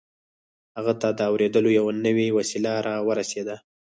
هغه ته د اورېدلو يوه نوې وسيله را ورسېده.